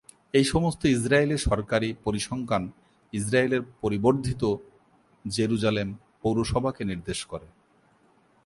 এই সমস্ত ইসরায়েলি সরকারী পরিসংখ্যান ইসরায়েলের পরিবর্ধিত জেরুসালেম পৌরসভাকে নির্দেশ করে।